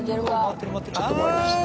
ちょっと回りました。